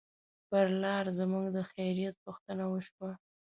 پر لار زموږ د خیریت پوښتنه وشوه.